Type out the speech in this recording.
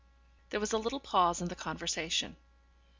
There was a little pause in the conversation.